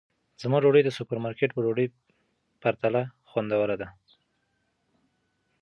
زما ډوډۍ د سوپرمارکېټ په ډوډۍ پرتله خوندوره ده.